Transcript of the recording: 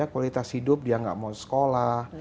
kualitas hidup dia nggak mau sekolah